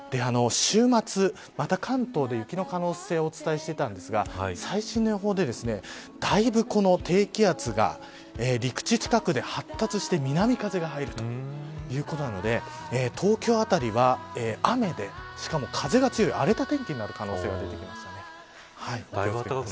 週末、また関東で雪の可能性をお伝えしていたんですが最新の予報でだいぶ、この低気圧が陸地近くで発達して南風が入るということなので東京辺りは雨でしかも風が強い荒れた天気になる可能性が出てきました。